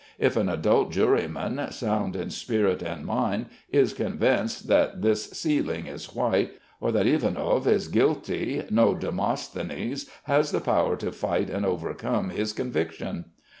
If an adult juryman, sound in spirit and mind, is convinced that this ceiling is white, or that Ivanov is guilty, no Demosthenes has the power to fight and overcome his conviction.